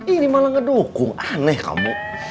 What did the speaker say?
ini malah ngedukung aneh kamu